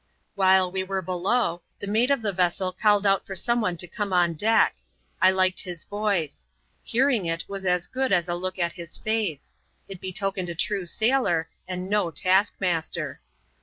While we were below, the mate of the vessel called out fwr some one to come on deck. I liked hia voice. Hearing it was as good as a look at his face. It betokened a true sailor, and no taskmaster.